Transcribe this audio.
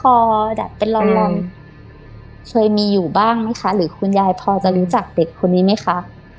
พอดัดเป็นรองเคยมีอยู่บ้างไหมคะหรือคุณยายพอจะรู้จักเด็กคนนี้ไหมคะ